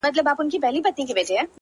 داده غاړي تعويزونه زما بدن خوري ـ